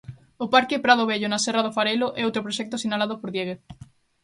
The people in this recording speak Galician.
O parque Prado Vello na Serra do Farelo é outro proxecto sinalado por Diéguez.